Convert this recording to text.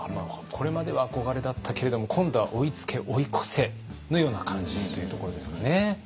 これまでは憧れだったけれども今度は追いつけ追い越せのような感じというところですかね。